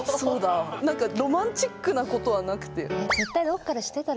なんかロマンチックなことはなくて。